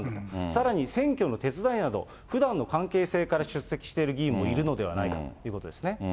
さらに選挙の手伝いなど、ふだんの関係性から出席している議員もいるのではないかということですね。